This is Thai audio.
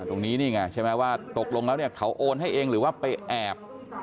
ตรงนี้นี่ไงใช่ไหมว่าตกลงแล้วเนี่ยเขาโอนให้เองหรือว่าไปแอบ